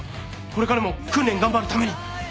これからも訓練頑張るために。